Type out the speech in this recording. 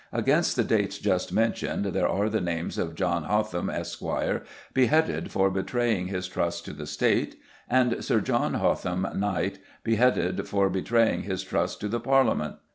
Against the dates just mentioned there are the names of John Hotham, Esq., "beheaded for betraying his trust to the State," and Sir John Hotham, Knt., "beheaded for betraying his trust to the Parliament."